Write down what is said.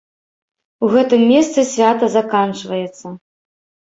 У гэтым месцы свята заканчваецца.